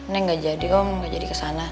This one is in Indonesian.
neng gak jadi om gak jadi kesana